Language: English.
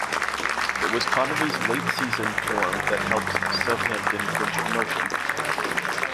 It was Connolly's late season form that helped Southampton clinch promotion.